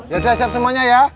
yaudah siap semuanya ya